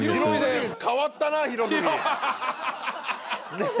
ねえ。